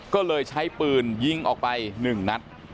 ก็เลยใช้ปืนยิงออกไป๑นัด